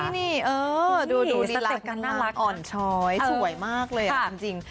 นี่นี่นี่ดูนิลักษณ์ค่ะอ่อนช้อยสวยมากเลยอ่ะจริง